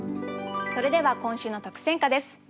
それでは今週の特選歌です。